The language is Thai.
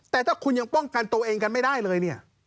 แต่ถ้าคุณยังป้องกันตัวเองกันไม่ได้เลยเนี่ย